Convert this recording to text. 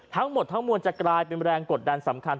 ทั้งหมดทั้งมวลจะกลายเป็นแรงกดดันสำคัญ